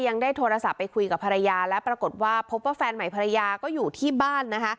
ยังได้โทรศัพท์ไปคุยกับภรรยาและปรากฏว่าพบว่าแฟนใหม่ภรรยาก็อยู่ที่บ้านนะคะ